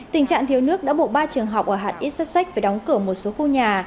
tình trạng thiếu nước đã bổ ba trường học ở hạt sasek phải đóng cửa một số khu nhà